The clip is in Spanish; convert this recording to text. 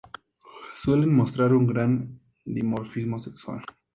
Suelen mostrar un gran dimorfismo sexual.